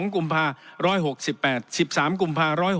๑๕กุมภาคม